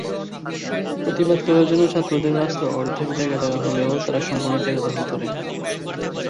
প্রতিবাদ করার জন্য ছাত্রদের রাস্তার অর্ধেক জায়গা দেওয়া হলেও তারা সম্পূর্ণ জায়গা দখল করে।